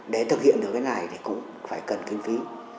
để thực hiện được cái này thì cũng phải cần kinh phí